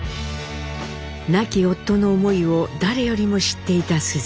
亡き夫の思いを誰よりも知っていた須壽。